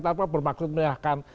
tidak apa bermaksud menyalahkan